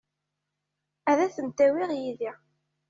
Ad tent-awiɣ yid-i.